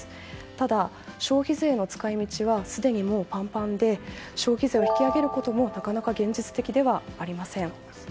ただ、消費税の使い道はすでにもうパンパンで消費税を引き上げることもなかなか現実的ではありません。